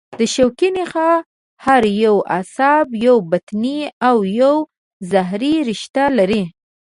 د شوکي نخاع هر یو عصب یوه بطني او یوه ظهري رشته لري.